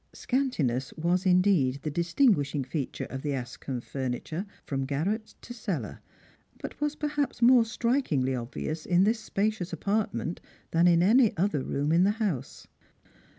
Scantiness was indeed the distinguishing feature of the Ashcombe furniture from garret to cellar, but was perhaps more strikingly obvious in this spacious apartment than in any other room in the house.